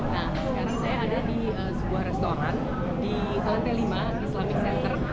nah sekarang saya ada di sebuah restoran di lantai lima islamic center